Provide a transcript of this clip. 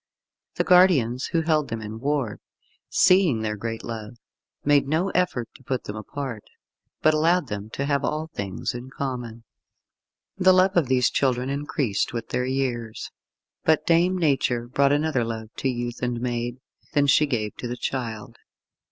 The guardians who held them in ward, seeing their great love, made no effort to put them apart, but allowed them to have all things in common. The love of these children increased with their years, but Dame Nature brought another love to youth and maid than she gave to the child.